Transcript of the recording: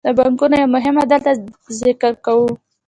د بانکونو یوه مهمه دنده دلته ذکر کوو